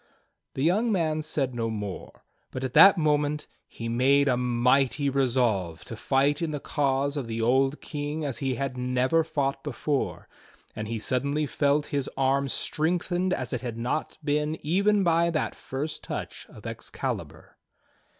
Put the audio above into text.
The young man said no more, but at that moment he made a mighty resolve to fight in the cause of the old King as he had never fought before; and he suddenly felt his arm strengthened as it had not been even by that first touch of Excalibur.